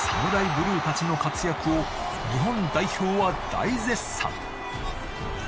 ブルーたちの活躍を日本代表は大絶賛！